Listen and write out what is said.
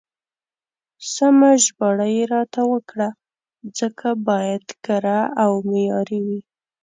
سمه ژباړه يې راته وکړه، ځکه بايد کره او معياري وي.